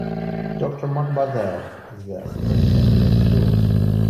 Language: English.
Doctor Mark Bazzell is the Superintendent of Schools.